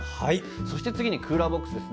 そしてクーラーボックスです。